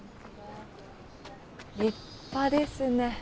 立派ですね。